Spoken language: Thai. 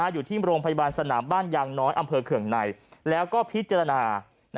อยู่ที่โรงพยาบาลสนามบ้านยางน้อยอำเภอเคืองในแล้วก็พิจารณา